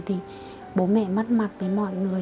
thì bố mẹ mất mặt với mọi người